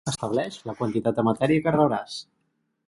Estableix la quantitat de matèria que rebràs.